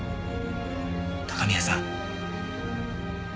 高宮さん。